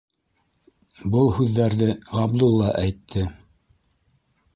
- Был һүҙҙәрҙе Ғабдулла әйтте.